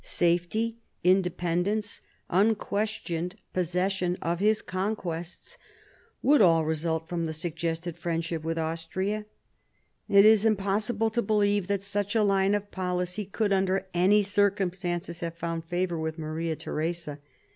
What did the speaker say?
Safety, independence, unquestioned possession of his conquests would all result from the suggested friendship with Austria. It is impossible to believe that such a line of policy could, under any circumstances, have found favour with Maria Theresa.